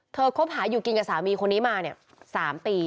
เธอคบหาอยู่กินกับสามีคนนี้มาเนี่ย๓ปี